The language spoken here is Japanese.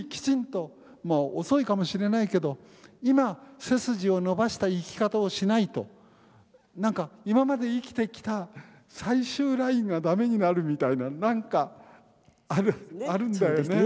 遅いかもしれないけど今背筋を伸ばした生き方をしないと何か今まで生きてきた最終ラインがダメになるみたいな何かあるんだよね。